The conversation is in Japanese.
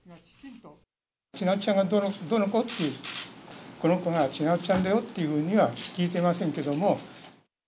ちなつちゃんがどの子？っていう、この子がちなつちゃんだよとは聞いてませんけれども。